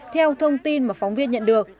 theo thông tin mà phóng viên nhận được